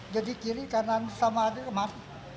jadi kiri kanan sama ada emas